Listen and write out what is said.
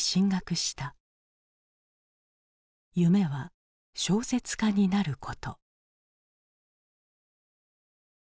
夢は小説家になること。